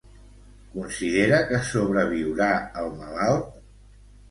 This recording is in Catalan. Considera que sobreviurà el malalt?